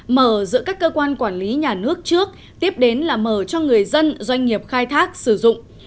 mở giữa các cơ quan quản lý nhà nước trước tiếp đến là mở cho người dân doanh nghiệp khai thác sử dụng